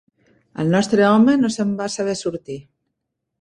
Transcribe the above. El nostre home no se'n va saber sortir